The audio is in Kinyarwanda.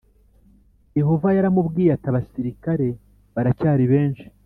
Yehova yaramubwiye ati abasirikare baracyari benshi